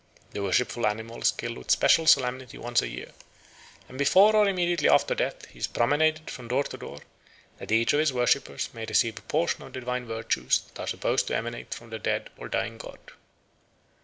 The worshipful animal is killed with special solemnity once a year; and before or immediately after death he is promenaded from door to door, that each of his worshippers may receive a portion of the divine virtues that are supposed to emanate from the dead or dying god.